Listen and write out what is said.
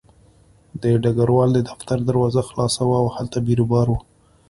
د ډګروال د دفتر دروازه خلاصه وه او هلته بیروبار و